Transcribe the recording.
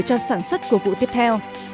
cho sản xuất của vụ tiếp theo